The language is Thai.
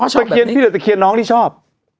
ตะเคียนพี่หรือตะเคียนน้องที่ชอบ